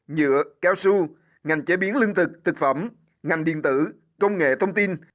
nhựa cao su ngành chế biến lương thực thực phẩm ngành điện tử công nghệ thông tin